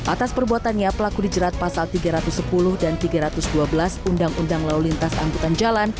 atas perbuatannya pelaku dijerat pasal tiga ratus sepuluh dan tiga ratus dua belas undang undang lalu lintas angkutan jalan